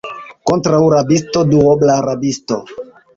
Kontraŭ rabisto, duobla rabisto.